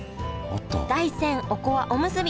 大山おこわおむすび